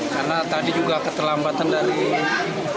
karena tadi juga keterlambatan dari perahu karet sendiri